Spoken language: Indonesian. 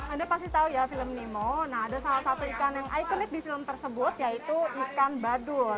anda pasti tahu ya film nemo nah ada salah satu ikan yang ikonik di film tersebut yaitu ikan badul